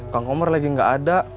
kang omar lagi gak ada